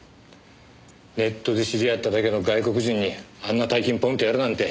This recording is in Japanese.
ネットで知り合っただけの外国人にあんな大金ポンッとやるなんて。